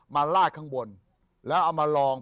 ลาดข้างบนแล้วเอามาลอง